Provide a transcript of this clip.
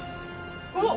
うわっ！